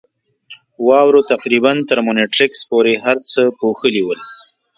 واورو تقریباً تر مونیټریکس پورې هر څه پوښلي ول.